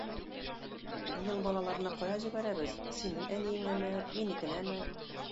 Быел балаларны кая җибәрәбез: синең әниеңәме, минекенәме?